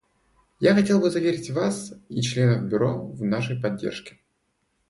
Я хотел бы заверить Вас и членов Бюро в нашей поддержке.